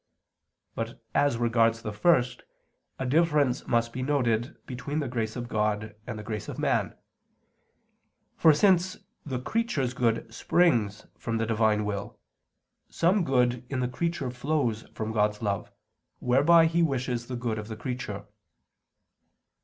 But as regards the first, a difference must be noted between the grace of God and the grace of man; for since the creature's good springs from the Divine will, some good in the creature flows from God's love, whereby He wishes the good of the creature.